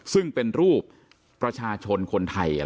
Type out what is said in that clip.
ซึ่งเป็นรูปประชาชนคนไทย